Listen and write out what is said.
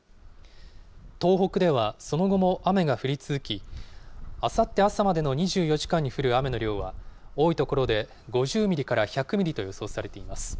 東北ではその後も雨が降り続き、あさって朝までの２４時間に降る雨の量は、多い所で５０ミリから１００ミリと予想されています。